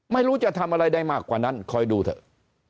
ไม่รู้จะทำอะไรได้มากกว่านั้นคอยดูเถอะ